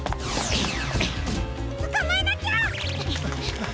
つかまえなきゃ！